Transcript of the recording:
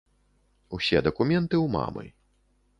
Усе дакументы ў мамы.